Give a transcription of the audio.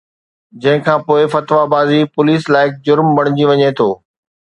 جنهن کان پوءِ فتويٰ بازي پوليس لائق جرم بڻجي وڃي ٿي